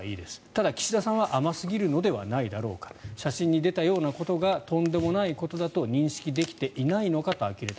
ただ、岸田さんは甘すぎるのではないだろうか写真に出たようなことがとんでもないことだと認識できていないのかとあきれた。